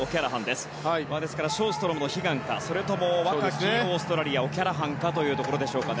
ですからショーストロムの悲願かそれとも若きオーストラリアオキャラハンかというところでしょうか。